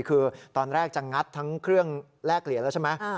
คือตอนแรกจะงัดทั้งเครื่องแลกเหรียญแล้วใช่ไหม